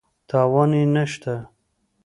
تاوان یې نه شته.